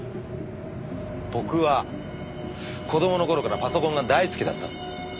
僕は子供の頃からパソコンが大好きだった。